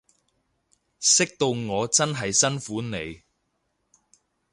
識到我真係辛苦你